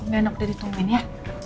nggak enggak udah ditungguin ya